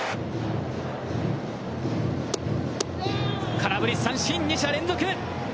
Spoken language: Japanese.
空振り三振、２者連続！